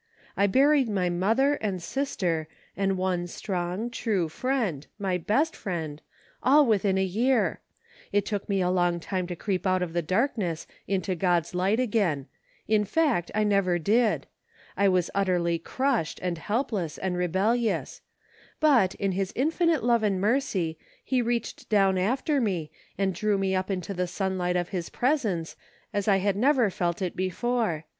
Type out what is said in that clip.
I buried my mother, and sister, and one strong, true friend, — my best friend, — all within a year ! It took me a long time to creep out of the darkness into God's light again ; in fact, I never did. I was utterly crushed, and helpless, and rebellious ; but, in his infinite love and mercy, he reached down after me and drew me up into the sunlight of his presence, as I had never felt it before.